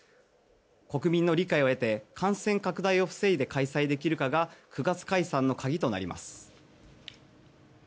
国民の理解を得て感染の拡大を防いで開催できるかが９月解散の鍵となります。